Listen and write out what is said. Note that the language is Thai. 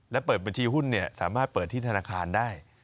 และเปิดบัญชีหุ้นสามารถเปิดที่ธนาคารได้